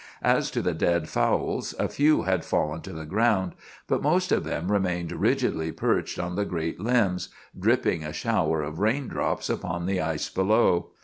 As to the dead fowls, a few had fallen to the ground, but most of them remained rigidly perched on the great limbs, dripping a shower of raindrops upon the ice below.